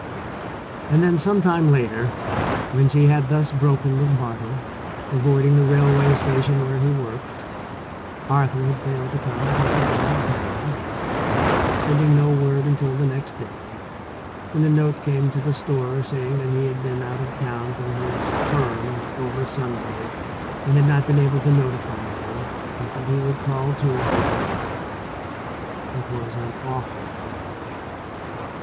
And then sometime later when she had thus broken with Barton, avoiding the railway station where he worked, Arthur had failed to come at his appointed time, sending no word until the next day, when a note came to the store saying that he had been out of town for his firm over Sunday and had not been able to notify her, but that he would call Tuesday. It was an awful blow.